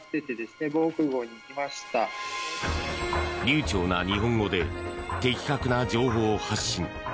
流暢な日本語で的確な情報を発信。